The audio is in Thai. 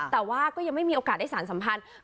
แต่ว่าก็ยังไม่มีโอกาสได้สารสัมพันธ์